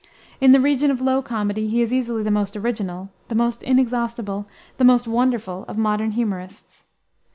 In the region of low comedy he is easily the most original, the most inexhaustible, the most wonderful of modern humorists.